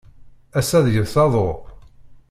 Ass-a deg-s aḍu.